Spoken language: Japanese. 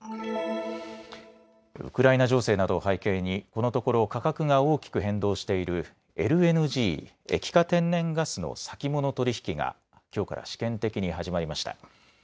ウクライナ情勢などを背景にこのところ価格が大きく変動しているＬＮＧ・液化天然ガスの先物取引がきょうから試験的に始まりました。